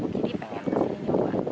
jadi pengen kesini nyoba